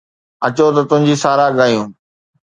اچو ته تنهنجي ساراهه ڳايون